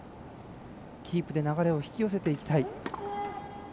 キープで流れを引き寄せていきたい。